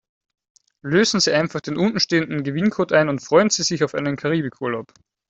Lösen Sie einfach den unten stehenden Gewinncode ein und freuen Sie sich auf einen Karibikurlaub.